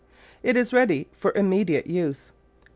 It is ready for immediate use.